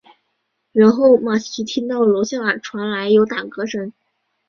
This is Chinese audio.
然后玛琦听到楼下传来有打嗝声。